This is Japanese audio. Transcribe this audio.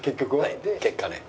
結果ね